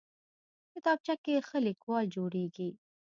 کتابچه کې ښه لیکوال جوړېږي